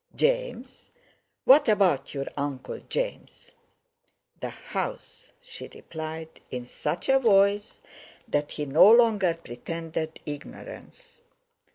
"James! what about your Uncle James?" "The house," she replied, in such a voice that he no longer pretended ignorance.